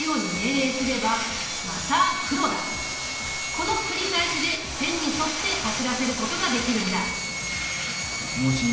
この繰り返しで線に沿って走らせることができるんだ。